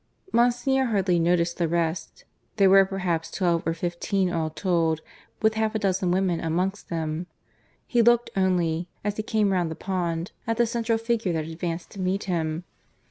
Monsignor hardly noticed the rest (there were perhaps twelve or fifteen all told, with half a dozen women amongst them); he looked only, as he came round the pond, at the central figure that advanced to meet him.